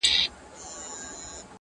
ښکلا د کال له ټولو جنجالونو راوتلې~